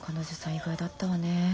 意外だったわねぇ。